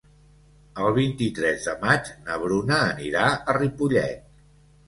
El vint-i-tres de maig na Bruna anirà a Ripollet.